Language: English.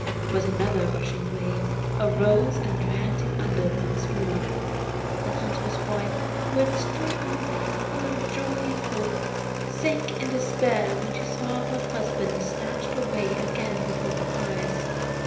But another rushing wave arose and dragged him under once more. The hunter's wife, who had stood on the bank full of joy and hope, sank into despair when she saw her husband snatched away again before her eyes.